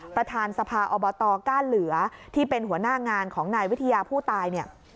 ประธานสภาอบตก้านเหลือที่เป็นหัวหน้างานของนายวิทยาผู้ตายเนี่ย